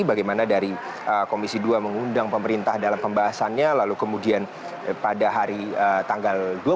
bagaimana dari komisi dua mengundang pemerintah dalam pembahasannya lalu kemudian pada hari tanggal